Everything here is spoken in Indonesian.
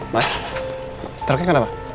mas teraknya kenapa